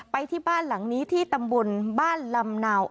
ไปที่บ้านหลังนี้ที่ตำบลบ้านลำเนา